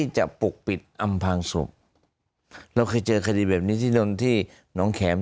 ใช่คือเตรียมเหมือนกับเตรียมก่ออัญกรรม